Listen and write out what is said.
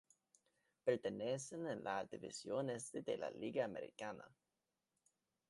Pertenecen a la División Este de la Liga Americana.